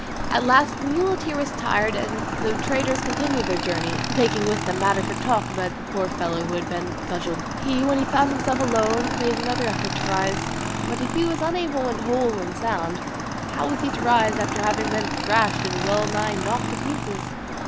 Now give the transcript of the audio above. At last the muleteer was tired, and the traders continued their journey, taking with them matter for talk about the poor fellow who had been cudgelled. He when he found himself alone made another effort to rise; but if he was unable when whole and sound, how was he to rise after having been thrashed and well nigh knocked to pieces?